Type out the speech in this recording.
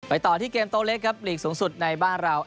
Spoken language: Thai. ต่อที่เกมโต๊เล็กครับหลีกสูงสุดในบ้านเรา